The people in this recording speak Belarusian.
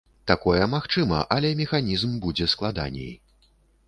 Такое магчыма, але механізм будзе складаней.